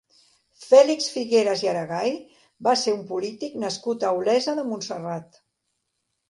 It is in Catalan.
Fèlix Figueras i Aragay va ser un polític nascut a Olesa de Montserrat.